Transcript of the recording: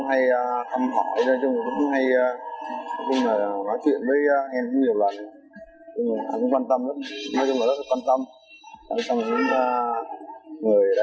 anh bộ kiên cũng hay thăm hỏi hay nói chuyện với em nhiều lần